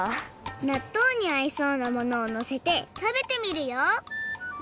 なっとうにあいそうなものをのせてたべてみるよ！